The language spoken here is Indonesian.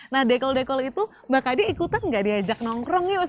nah dekol dekol itu mbak kade ikutan gak diajak nongkrong yuk sama dekol